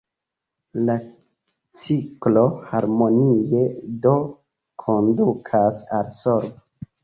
La ciklo harmonie do kondukas al solvo.